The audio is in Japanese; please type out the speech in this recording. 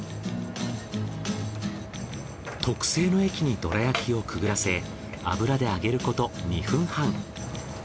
特製の液にどら焼きをくぐらせ油で揚げること２分半。